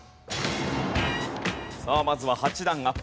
さあまずは８段アップ。